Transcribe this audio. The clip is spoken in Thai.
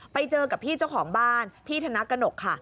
ไปเจอกับพี่เจ้าของบ้านพี่ธนกระหนกค่ะ